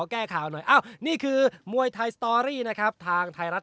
แก้ข่าวหน่อยอ้าวนี่คือมวยไทยสตอรี่นะครับทางไทยรัฐ